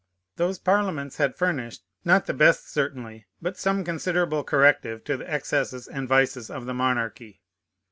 Those parliaments had furnished, not the best certainly, but some considerable corrective to the excesses and vices of the monarchy.